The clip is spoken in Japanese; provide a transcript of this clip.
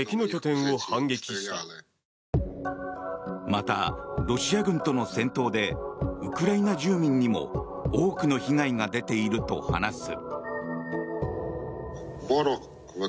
また、ロシア軍との戦闘でウクライナ住民にも多くの被害が出ていると話す。